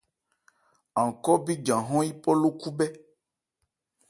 An khɔ́ bíjan hɔ́n yípɔ ló khúbhɛ́.